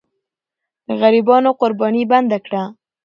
د غریبانو قرباني بنده کړه.